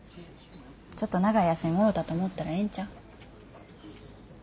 ちょっと長い休みもろたと思ったらええんちゃう？